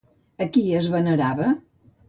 A qui es venerava?